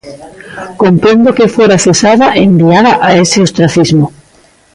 Comprendo que fora cesada e enviada a ese ostracismo.